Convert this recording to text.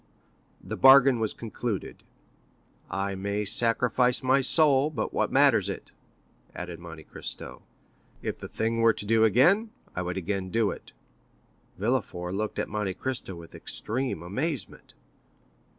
The bargain was concluded. I may sacrifice my soul, but what matters it?" added Monte Cristo. "If the thing were to do again, I would again do it." Villefort looked at Monte Cristo with extreme amazement.